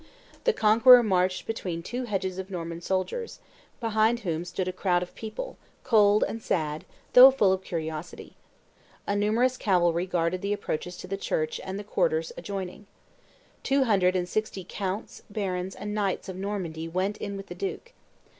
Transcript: The Conqueror marched between two hedges of Norman soldiers, behind whom stood a crowd of people, cold and sad, though full of curiosity. A numerous cavalry guarded the approaches to the church and the quarters adjoining. Two hundred and sixty counts, barons, and knights of Normandy went in with the duke.